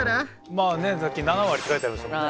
まあねさっき７割って書いてありましたもんね。